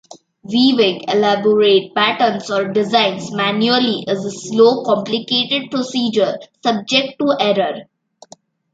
Weaving elaborate patterns or designs manually is a slow, complicated procedure subject to error.